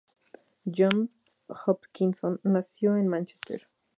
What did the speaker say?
John Hopkinson nació en Manchester.